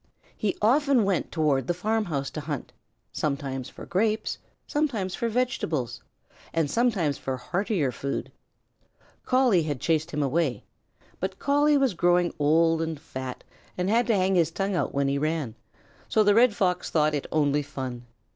He often went toward the farmhouse to hunt, sometimes for grapes, sometimes for vegetables, and sometimes for heartier food. Collie had chased him away, but Collie was growing old and fat and had to hang his tongue out when he ran, so the Red Fox thought it only fun.